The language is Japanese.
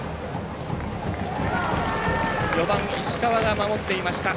４番、石川が守っていました。